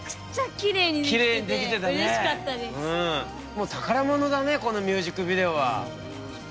もう宝物だねこのミュージックビデオは。